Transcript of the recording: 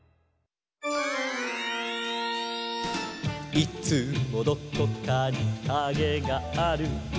「いつもどこかにカゲがある」